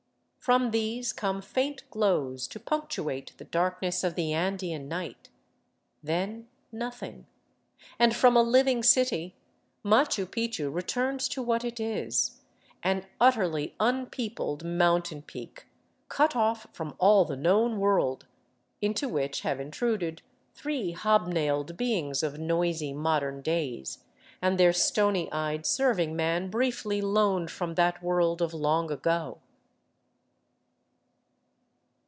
From these come faint glows to punctuate the dark ness of the Andean night, then nothing, and from a living city Machu Picchu returns to what it is, an utterly unpeopled mountain peak cut off from all the known world, Into which have intruded three hob nailed beings of noisy modern days, and their stony eyed serving man briefly loaned from that world of long ago.